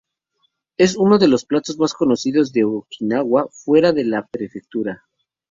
Es uno de los platos más conocidos de Okinawa fuera de la prefectura.